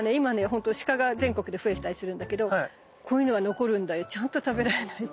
ほんとシカが全国で増えてたりするんだけどこういうのは残るんだよちゃんと食べられないで。